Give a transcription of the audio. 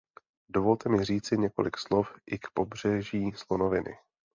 Dovolte mi říci několik slov i k Pobřeží slonoviny.